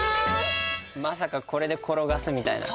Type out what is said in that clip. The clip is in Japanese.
まさかこれで転がすみたいな？